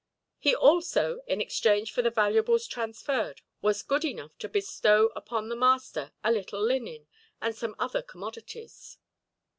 He also, in exchange for the valuables transferred, was good enough to bestow upon the master a little linen, and some other commodities.